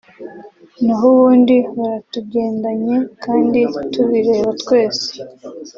naho ubundi baratugendanye kandi tubireba twese